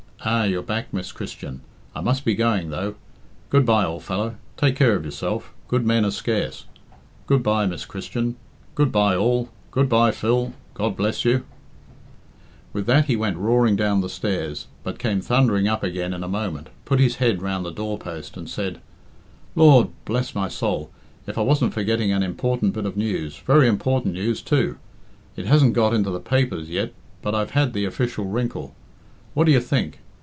"Ah! you're back, Miss Christian? I must be going, though. Good bye, old fellow! Take care of yourself good men are scarce. Good bye, Miss Christian! Good bye, all! Good bye, Phil! God bless you!" With that he went roaring down the stairs, but came thunging up again in a moment, put his head round the doorpost, and said "Lord bless my soul, if I wasn't forgetting an important bit of news very important news, too! It hasn't got into the papers yet, but I've had the official wrinkle. What d'ye think?